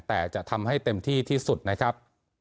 แต่จะทำให้เต็มที่ที่สุดนะครับ